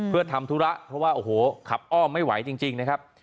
เพื่อทำธุระเพราะว่าโอ้โหขับอ้อมไม่ไหวจริงนะครับ